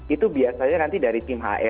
itu biasanya nanti dari tim hr di sini